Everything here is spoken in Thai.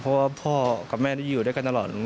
เพราะว่าพ่อกับแม่ได้อยู่ด้วยกันตลอด